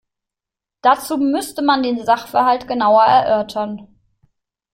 Dazu müsste man den Sachverhalt genauer erörtern.